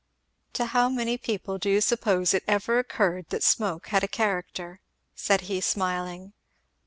"To how many people do you suppose it ever occurred that smoke had a character?" said he smiling.